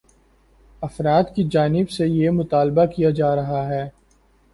افراد کی جانب سے یہ مطالبہ کیا جا رہا ہے